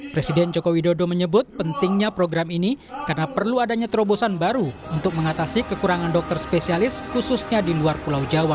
presiden joko widodo menyebut pentingnya program ini karena perlu adanya terobosan baru untuk mengatasi kekurangan dokter spesialis khususnya di luar pulau jawa